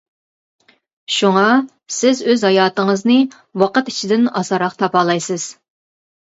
شۇڭا، سىز ئۆز ھاياتىڭىزنى ۋاقىت ئىچىدىن ئاسانراق تاپالايسىز.